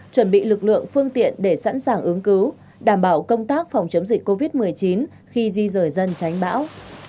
chuẩn bị lực lượng phương tiện để sẵn sàng ứng cứu đảm bảo công tác phòng chống dịch covid một mươi chín khi di rời dân tránh bão